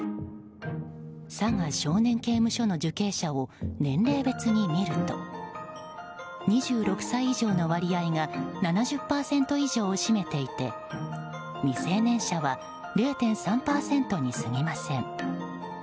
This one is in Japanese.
佐賀少年刑務所の受刑者を年代別に見ると２６歳以上の割合が７０％以上を占めていて未成年者は０．３％に過ぎません。